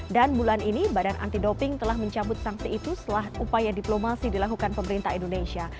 dan bulan ini badan anti doping telah mencabut sanksi itu setelah upaya diplomasi dilakukan pemerintah indonesia